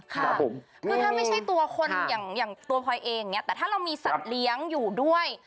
คือถ้าไม่ใช่ตัวคนอย่างตัวพลอยเองอย่างนี้แต่ถ้าเรามีสัตว์เลี้ยงอยู่ด้วย